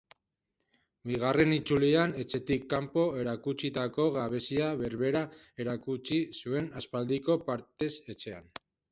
Bigarren itzulian etxetik kanpo erakutsitako gabezia berbera erakutsi zuen aspaldiko partez etxean.